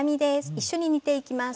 一緒に煮ていきます。